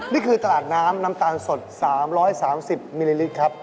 นี่คือตลาดน้ำน้ำตาลสด๓๓๐มิลลิลิตรครับ